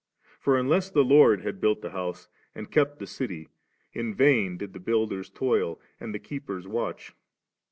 For unless the Lord had built the house, and kept the city, in vain did the builders toil, and the keepers watch «.